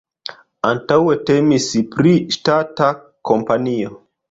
Antaŭe temis pri ŝtata kompanio.